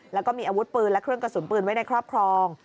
แล้วก็มีอาวุธปืนและเครื่องกระสุนปืนไว้ในครอบครอง